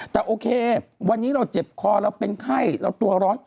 แต่โอเควันนี้เราเจ็บคอเราเป็นไข้เราตัวร้อน